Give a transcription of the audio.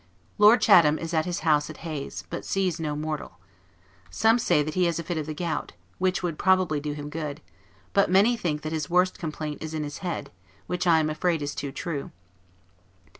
Lord Chatham is at his house at Hayes; but sees no mortal. Some say that he has a fit of the gout, which would probably do him good; but many think that his worst complaint is in his head, which I am afraid is too true.